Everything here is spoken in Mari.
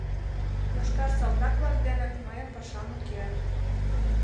Йошкар салтак-влак дене мыйын пашам уке.